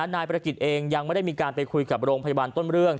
นายประกิจเองยังไม่ได้มีการไปคุยกับโรงพยาบาลต้นเรื่อง